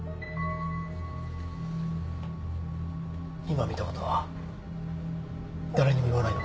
今見たことは誰にも言わないでほしい